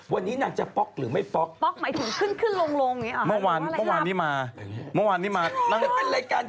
วันนี้นางจะป๊อกหรือไม่ป๊อก